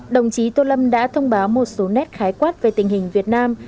đồng chí tô lâm đã thông báo một số nét khái quát về tình hình việt nam